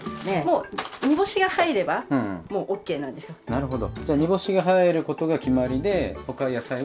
なるほど。